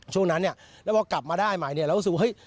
ช่วงนั้นแล้วพอกลับมาได้หมายนี้เรารู้สึกว่า